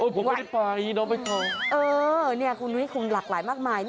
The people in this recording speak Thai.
ผมไม่ได้ไปน้องไปเข้าคุณดูนี่คุณหลากหลายมากมาย